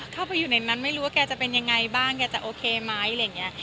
เข้าไปอยู่ในนั้นไม่รู้ว่าแกจะเป็นยังไงบ้างแกจะโอเคไหมอะไรอย่างนี้